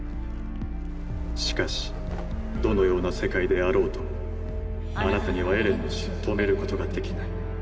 しかしどのような世界であろうとあなたにはエレンの死を止めることができない。